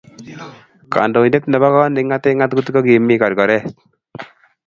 kandoindet nebo koot nekingatee ngatutik ko kimii korkoret